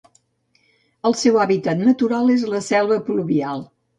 El seu hàbitat natural és la selva pluvial.